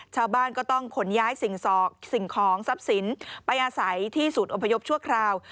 ชาวบ้านก็ต้องขนย้ายสิ่งของทรัพย์สินไปอาศัยที่ศูนย์อพยพชั่วคราว